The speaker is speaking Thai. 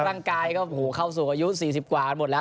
ร่างกายก็เข้าสู่อายุ๔๐กว่ากันหมดแล้ว